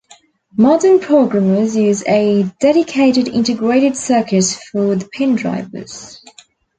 Modern programmers use a dedicated integrated circuit for the pin drivers.